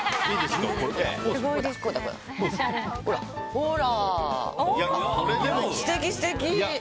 ほら！